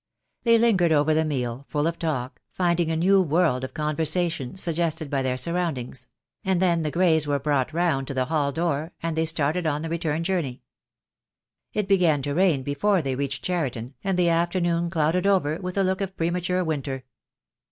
They lingered over the meal, full of talk, finding a new world of conversation suggested by their surround ings; and then the greys were brought round to the hall door, and they started on the return journey. It began to rain before they reached Cheriton, and the afternoon clouded over with a look of premature winter.